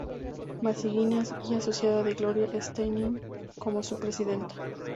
Magazine y asociada de Gloria Steinem, como su presidenta.